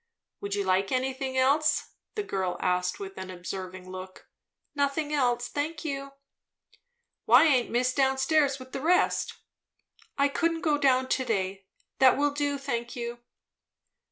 "Would you like anything else?" the girl asked with an observing look. "Nothing else, thank you." "Why aint miss down stairs with the rest?" "I couldn't go down to day. That will do, thank you."